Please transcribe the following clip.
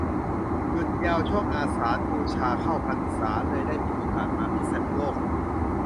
หยุดยาวช่วง อาสาฬบูชาเข้าพรรษา เลยได้มีโอกาสมาพิษณุโลก